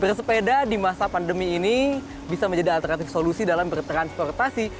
bersepeda di masa pandemi ini bisa menjadi alternatif solusi dalam bertransportasi